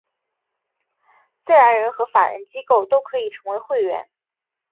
自然人和法人机构都可以成为会员。